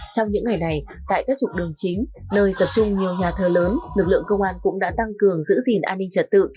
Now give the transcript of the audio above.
trong những ngày này tại các trục đường chính nơi tập trung nhiều nhà thờ lớn lực lượng công an cũng đã tăng cường giữ gìn an ninh trật tự